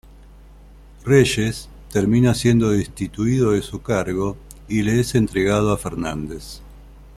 Reyes, termina siendo destituido de su cargo y le es entregado a Fernández.